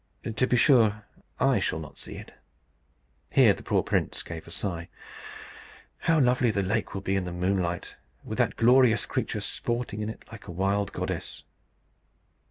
To be sure, I shall not see it." (Here the poor prince gave a sigh.) "How lovely the lake will be in the moonlight, with that glorious creature sporting in it like a wild goddess!